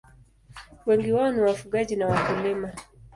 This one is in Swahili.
Wengi wao ni wafugaji na wakulima.